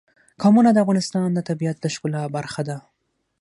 قومونه د افغانستان د طبیعت د ښکلا برخه ده.